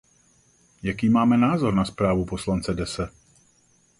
Jaký máme názor na zprávu poslance Desse?